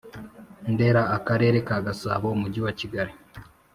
Ndera Akarere ka Gasabo Umujyi wa kigali